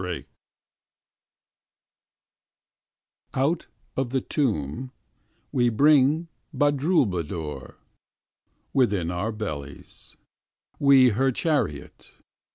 org/ Out of the tomb, we bring Badroulbadour , Within our bellies, we her chariot.